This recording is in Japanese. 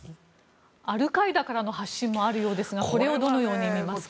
アルカイダからの発信もあるようですがこれをどのように見ますか。